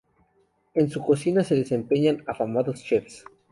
En su cocina se desempeñan afamados chefs.